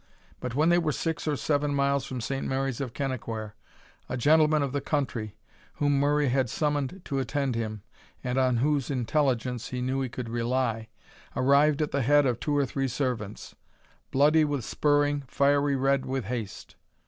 But when they were six or seven miles from Saint Mary's of Kennaquhair, a gentleman of the country, whom Murray had summoned to attend him, and on whose intelligence he knew he could rely, arrived at the head of two or three servants, "bloody with spurring, fiery red with haste."